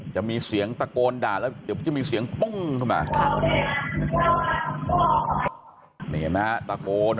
จะมีเสียงตะโกนด่าแล้วเดี๋ยวจะมีเสียงปุ้งขึ้นมา